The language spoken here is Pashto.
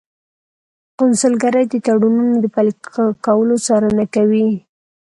قونسلګرۍ د تړونونو د پلي کولو څارنه کوي